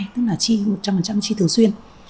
tức là chi một trăm linh chi thường xuyên